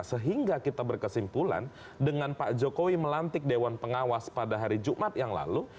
sehingga kita berkesimpulan dengan pak jokowi melantik dewan pengawas pada hari jumat yang lalu